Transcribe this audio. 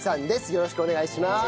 よろしくお願いします。